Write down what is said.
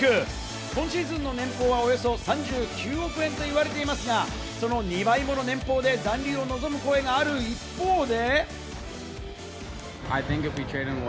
今シーズンの年俸はおよそ３９億円と言われていますが、その２倍もの年俸で残留を望む声がある一方で。